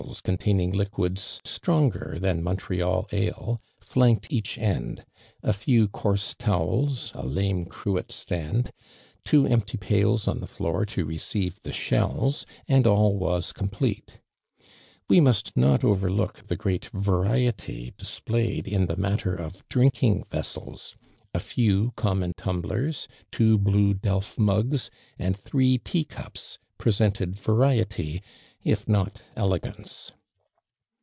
4 containing liquids stronger tlian M ntieal ale, flanked each end ; a few coarse An, a lame cruet stand, two empty paiN i. the floor to receive the shells, and all wu.^ ^otn . plete. Wo must not overlook the great variety displayed in the matter of drinlcing vessels. A few common tumblers, two bluo delf mugs and throe tea cups, presented variety if not elegance.